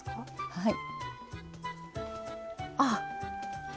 はい。